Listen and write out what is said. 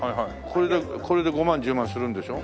これで５万１０万するんでしょ？